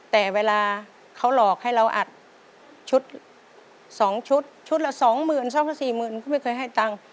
แต่เวลาเขาหลอกให้เราอัดชุดสองชุดชุดละ๒๐๐๐๐ก็ไม่เคยให้ตั้ง